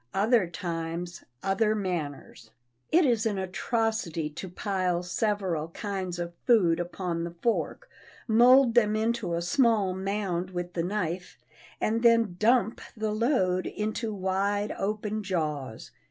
"Other times, other manners!" It is an atrocity to pile several kinds of food upon the fork, mold them into a small mound with the knife, and then "dump" the load into wide open jaws.